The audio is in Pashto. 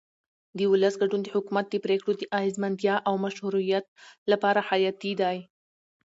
د ولس ګډون د حکومت د پرېکړو د اغیزمنتیا او مشروعیت لپاره حیاتي دی